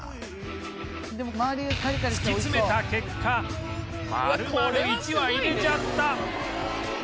突き詰めた結果丸々１羽入れちゃった